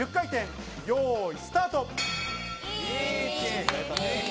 よい、スタート！